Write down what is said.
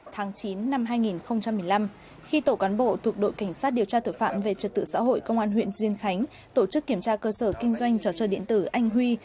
tháng chín năm hai nghìn một mươi năm khi tổ cán bộ thuộc đội cảnh sát điều tra tội phạm về trật tự xã hội công an huyện diên khánh tổ chức kiểm tra cơ sở kinh doanh trò chơi điện tử anh huy